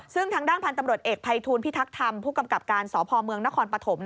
ซึ่งทางด้านพันธุ์ตำรวจเอกภัยทูลพิทักษ์ธรรมผู้กำกับการสพเมืองนครปฐม